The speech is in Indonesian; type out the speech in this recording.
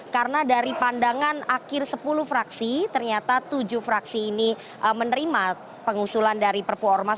karena dari pandangan akhir sepuluh fraksi ternyata tujuh fraksi ini menerima pengusulan dari perpu ormas